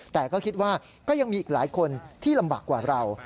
แต่ก็คิดว่าก็ยังมีอีกหลายคนที่ลำบากกว่าเรา